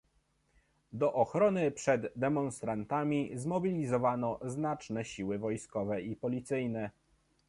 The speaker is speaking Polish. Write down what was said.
Do ochrony przed demonstrantami zmobilizowano znaczne siły wojskowe i policyjne